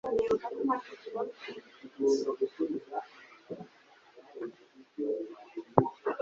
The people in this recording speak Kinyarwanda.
ikaba “Ingabe” ikima igihugu,